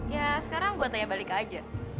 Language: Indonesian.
ya sekarang buat tanya balik aja